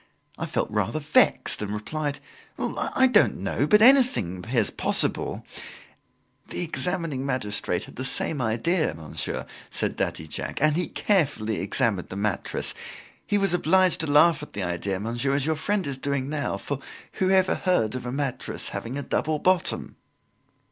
I felt rather vexed and replied: "I don't know, but anything appears possible" "The examining magistrate had the same idea, monsieur," said Daddy Jacques, "and he carefully examined the mattress. He was obliged to laugh at the idea, monsieur, as your friend is doing now, for whoever heard of a mattress having a double bottom?"